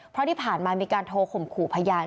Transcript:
เพราะที่ผ่านมามีการโทรข่มขู่พยาน